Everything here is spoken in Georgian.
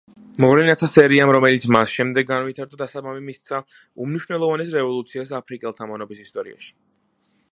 მოვლენათა სერიამ, რომელიც მას შემდეგ განვითარდა დასაბამი მისცა უმნიშვნელოვანეს რევოლუციას აფრიკელთა მონობის ისტორიაში.